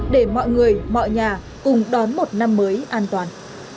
để mọi người mọi nhà cùng đón một năm mới an toàn